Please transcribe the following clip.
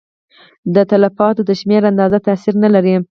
د تلفاتو د شمېر اندازه تاثیر نه لري.